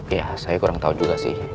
iya saya kurang tau juga sih